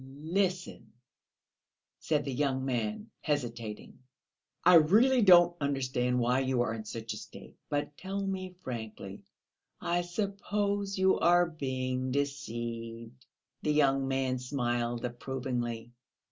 "Listen," said the young man, hesitating. "I really don't understand why you are in such a state, but tell me frankly, I suppose you are being deceived?" The young man smiled approvingly.